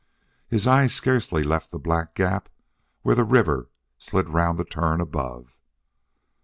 His eyes scarcely ever left the black gap where the river slid round the turn above.